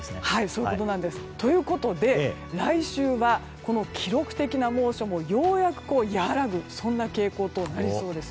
そういうことです。ということで、来週はこの記録的な猛暑もようやく和らぐそんな傾向となりそうです。